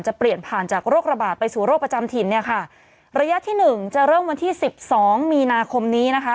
เปลี่ยนผ่านจากโรคระบาดไปสู่โรคประจำถิ่นเนี่ยค่ะระยะที่หนึ่งจะเริ่มวันที่สิบสองมีนาคมนี้นะคะ